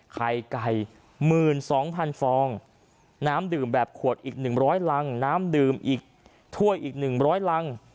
ไข่ไก่มืนสองพันฟองน้ำดื่มแบบขวดอีกหนึ่งร้อยลังน้ำดื่มอีกถ้วยอีกหนึ่งร้อยลัง